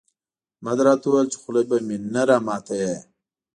احمد راته وويل چې خوله به مې نه راماتوې.